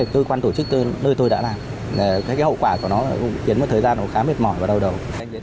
trước tư nơi tôi đã làm cái hậu quả của nó cũng khiến một thời gian khá mệt mỏi và đau đầu